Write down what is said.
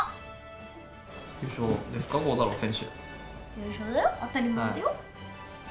優勝だよ、当たり前だよ。